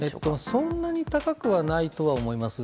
そんな高くはないとは思います。